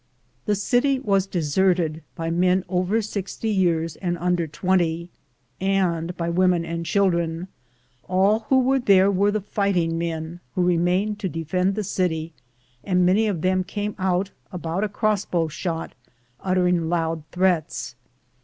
The city was deserted by men over sixty years and under twenty, and by women and children. All who were there were the fighting men who remained to defend the city, and many of them came out, about a crossbow shot, uttering loud threats.